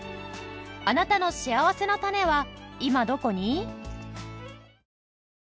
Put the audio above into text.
あなたのしあわせのたねは今どこに？